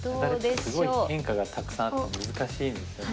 すごい変化がたくさんあって難しいんですよね。